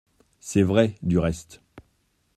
C'était vrai, du reste.